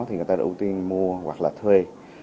thì người ta được ưu tiên mua hoặc là thuê